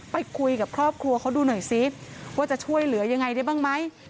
ไปคุยกับครอบครัวเขาดูหน่อยซิว่าจะช่วยเหลือยังไงได้บ้างไหม